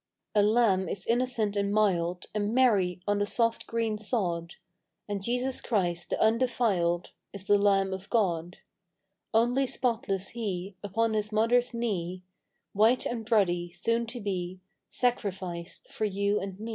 11. A lamb is innocent and mild And merry on the soft green sod, And Jesus Christ the Undefiled, Is the Lamb of God: Only spotless He Upon His Mother's knee; White and ruddy, soon to be Sacrificed for you and me.